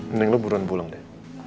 mending lu buruan pulang deh